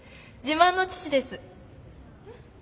自慢の父です！